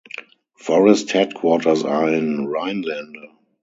Forest headquarters are in Rhinelander.